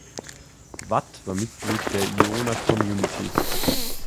Watt war Mitglied der Iona Community.